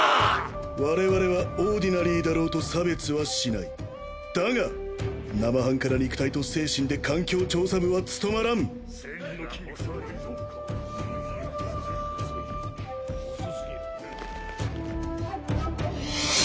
我々はオーディナリーだろうと差別はしないだが生半可な肉体と精神で環境調査部は務まらん・線が細い・このバルクはちょっとな・